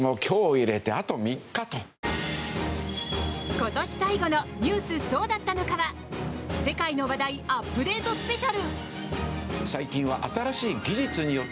今年最後の「ニュースそうだったのか！！」は世界の話題アップデートスペシャル。